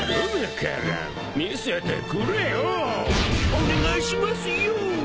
お願いしますよ